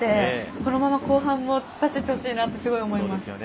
このまま後半も突っ走ってほしいなと思います。